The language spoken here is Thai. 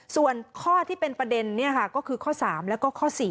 ส่วนข้อที่เป็นประเด็นก็คือข้อ๓แล้วก็ข้อ๔